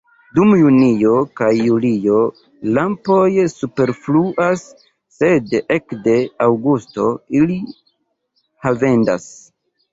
Dum junio kaj julio lampoj superfluas, sed ekde aŭgusto ili havendas.